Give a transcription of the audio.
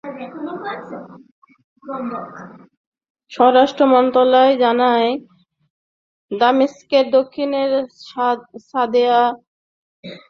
স্বরাষ্ট্র মন্ত্রণালয় জানায়, দামেস্কের দক্ষিণের সায়েদা জেইনাব জেলায় বিস্ফোরণ ঘটানো হয়।